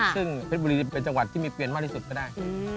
ซึ่งเพชรบุรีเป็นจังหวัดที่มีเปลี่ยนมากที่สุดก็ได้